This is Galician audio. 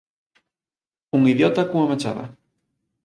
Un idiota cunha machada.